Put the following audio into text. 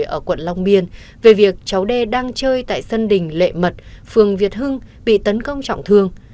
ở quận long biên về việc cháu đê đang chơi tại sân đỉnh lệ mật phường việt hưng bị tấn công trọng thương